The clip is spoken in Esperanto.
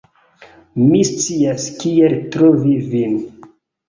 Mi scias kiel trovi vin.